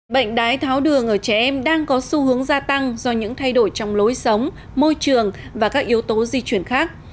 bệnh đái tháo đường ở trẻ em đang có xu hướng gia tăng do những thay đổi trong lối sống môi trường và các yếu tố di chuyển khác